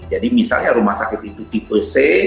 jadi misalnya rumah sakit itu tipe c